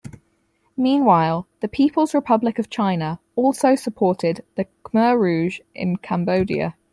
Meanwhile, the People's Republic of China also supported the Khmer Rouge in Cambodia.